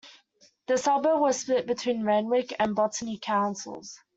The suburb was split between Randwick and Botany Councils.